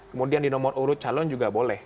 kemudian di nomor urut calon juga boleh